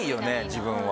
自分は。